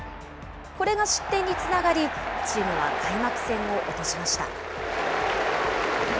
これが失点につながり、チームは開幕戦を落としました。